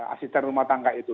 asisten rumah tangga itu